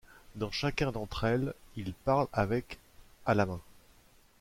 Dans chacun d'entre elles, il parle avec à la main.